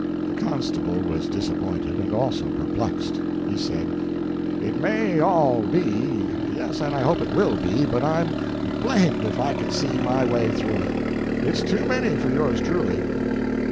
The constable was disappointed, and also perplexed. He said "It may all be yes, and I hope it will, but I'm blamed if I can see my way through it. It's too many for yours truly."